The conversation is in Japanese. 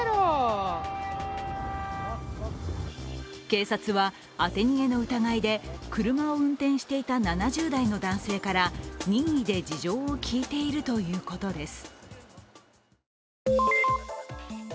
警察は当て逃げの疑いで車を運転していた７０代の男性から任意で事情を聞いているということです。